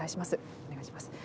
お願いします。